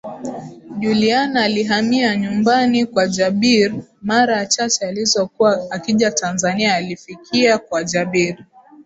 Juliana alihamia nyumbani kwa Jabir mara chache alizokuwa akija Tanzania alifikia kwa Jabir